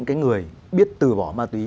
cái người biết từ bỏ ma tí